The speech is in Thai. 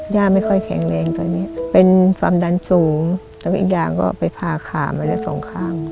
ย่าไม่ค่อยแข็งแรงตอนนี้เป็นความดันสูงแล้วอีกอย่างก็ไปผ่าขามาได้สองข้าง